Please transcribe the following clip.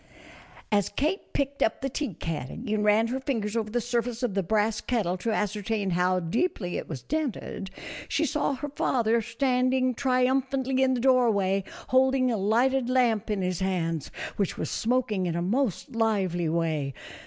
As Kate picked up the tea caddy and ran her fingers over the surface of the brass kettle to ascer tain how deeply it was dented, she saw her father standing triumphantly in the doorway holding a lighted lamp in his hands, which was smoking in a most lively way.